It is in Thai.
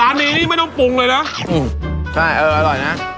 ร้านนี้นี่ไม่ต้องปรุงเลยนะอืมใช่เอออร่อยนะ